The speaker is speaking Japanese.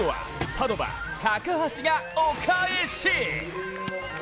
パドヴァ・高橋がお返し。